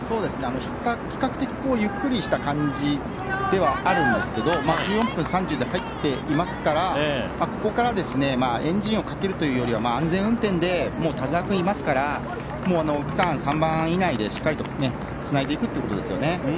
比較的ゆっくりした感じではあるんですが１４分３０秒で入っていますからここからエンジン音をかけるというよりは安全運転で田澤君がいますから区間３番以内でしっかりとつないでいくことですね。